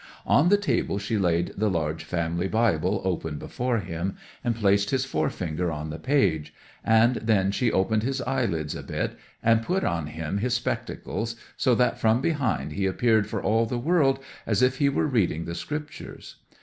On the table she laid the large family Bible open before him, and placed his forefinger on the page; and then she opened his eyelids a bit, and put on him his spectacles, so that from behind he appeared for all the world as if he were reading the Scriptures.